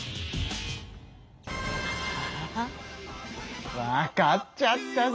あわかっちゃったぞ！